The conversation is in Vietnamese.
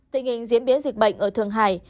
tình hình diễn biến dịch bệnh ở thượng hải